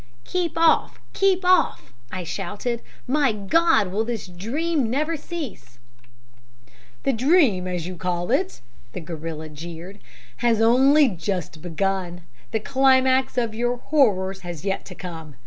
"'Keep off! Keep off!' I shouted. 'My God, will this dream never cease?' "'The dream, as you call it,' the gorilla jeered, 'has only just begun; the climax of your horrors has yet to come.